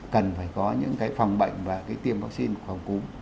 cần phải có những cái phòng bệnh và cái tiêm vaccine phòng cúm